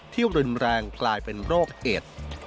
รุนแรงกลายเป็นโรคเอ็ด